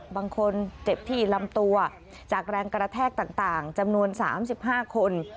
คนเจ็บที่ลำตัวจากแรงกระแทกต่างจำนวน๓๕คน